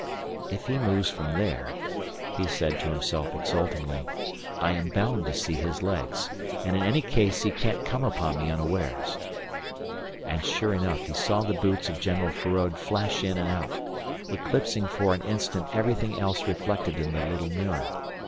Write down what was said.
"If he moves from there," he said to himself exultingly, "I am bound to see his legs. And in any case he can't come upon me unawares." And sure enough he saw the boots of General Feraud flash in and out, eclipsing for an instant everything else reflected in the little mirror.